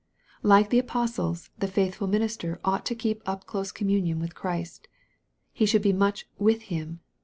Like the apostles, the faithful minister ought to keep up close communion with Christ. He should be much " with Him."